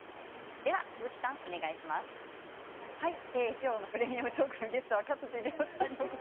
今日の「プレミアムトーク」のゲストは勝地涼さんです。